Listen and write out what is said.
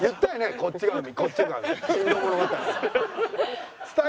こっちが海こっちが海。